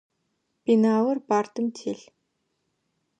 Пеналыр партым телъ.